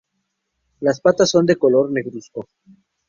Las patas son de un color negruzco.